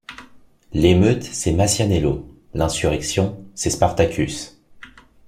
L’émeute, c’est Masaniello ; l’insurrection, c’est Spartacus.